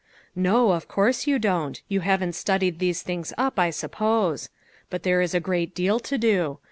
"No; of course you don't. You haven't studied these things up, I suppose. But there is a great deal to do.